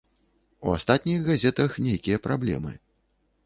У астатніх газетах нейкія праблемы.